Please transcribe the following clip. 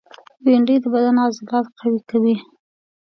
بېنډۍ د بدن عضلات قوي کوي